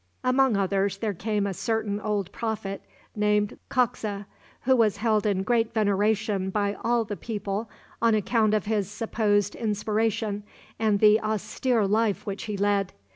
Among others there came a certain old prophet, named Kokza, who was held in great veneration by all the people on account of his supposed inspiration and the austere life which he led.